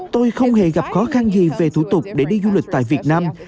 tôi không hề gặp khó khăn gì về thủ tục để đi du lịch tại việt nam